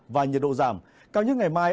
và nhiệt độ giảm cao nhất ngày mai